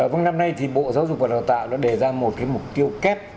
vâng năm nay thì bộ giáo dục và đào tạo đã đề ra một cái mục tiêu kép